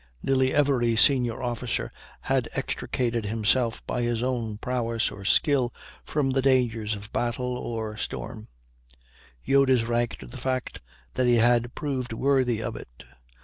Nearly every senior officer had extricated himself by his own prowess or skill from the dangers of battle or storm; he owed his rank to the fact that he had proved worthy of it.